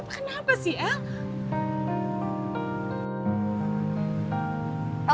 kamu kenapa sih el